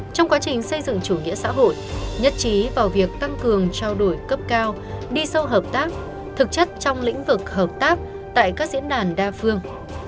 trong quá trình xây dựng chủ nghĩa xã hội nhất trí vào việc tăng cường trao đổi cấp cao đi sâu hợp tác thực chất trong lĩnh vực hợp tác tại các diễn đàn đa phương